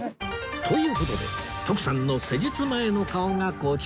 という事で徳さんの施術前の顔がこちら